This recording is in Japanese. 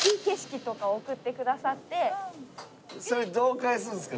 それどう返すんすか？